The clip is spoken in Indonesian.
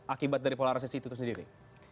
akibat dari polarisasi itu sendiri